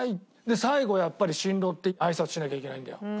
最後やっぱり新郎って挨拶しなきゃいけないんだよ。